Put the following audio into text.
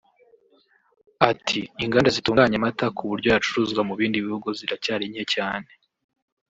Ati “Inganda zitunganya amata ku buryo yacuruzwa mu bindi bihugu ziracyari nke cyane